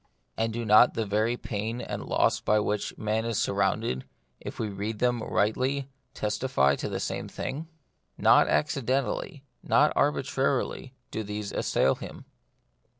And do not the very pain and loss by which man is surrounded, if we read them rightly, testify to the same thing ? Not acci dentally, not arbitrarily, do these assail him.